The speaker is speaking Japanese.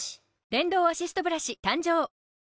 電動アシストブラシ誕生！